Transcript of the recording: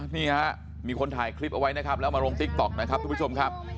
นี่ฮะมีคนถ่ายคลิปเอาไว้นะครับแล้วมาลงติ๊กต๊อกนะครับทุกผู้ชมครับ